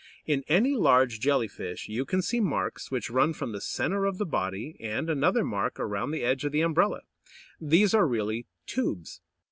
In any large Jelly fish you can see marks which run from the centre of the body, and another mark round the edge of the "umbrella." These are really tubes.